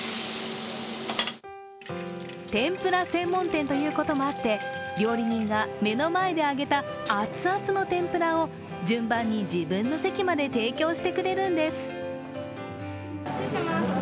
天ぷら専門店ということもあって料理人が目の前で揚げた熱々の天ぷらを順番に自分の席まで提供してくれるんです。